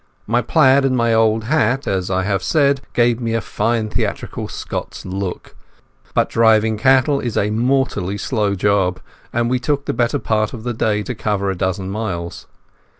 My plaid and my old hat, as I have said, gave me a fine theatrical Scots look. But driving cattle is a mortally slow job, and we took the better part of the day to cover a dozen miles.